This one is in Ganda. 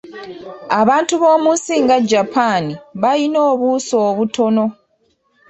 Abantu b'omu nsi nga Japan bayina obuuso obutono.